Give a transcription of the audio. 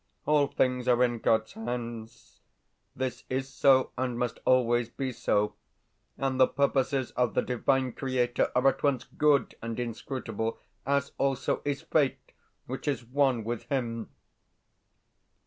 All things are in God's hands. This is so, and must always be so; and the purposes of the Divine Creator are at once good and inscrutable, as also is Fate, which is one with Him....